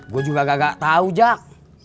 gua juga gak tau jak